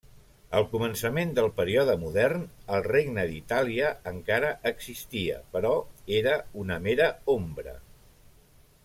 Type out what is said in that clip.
Al començament del període modern, el Regne d'Itàlia encara existia, però era una mera ombra.